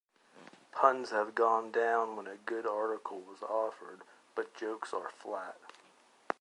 Puns have gone down when a good article was offered, but jokes are flat.